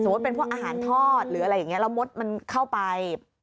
เป็นพวกอาหารทอดหรืออะไรอย่างนี้แล้วมดมันเข้าไป